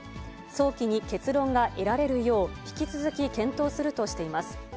早期に結論が得られるよう、引き続き検討するとしています。